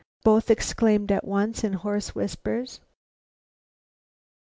both exclaimed at once in hoarse whispers.